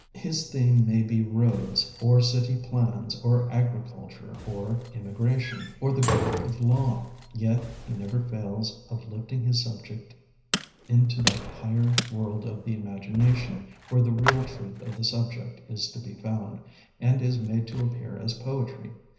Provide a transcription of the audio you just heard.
His theme may be roads, or city plans, or agriculture, or emigration, or the growth of law; yet he never fails of lifting his subject into that higher world of the imagination where the real truth of the subject is to be found, and is made to appear as poetry.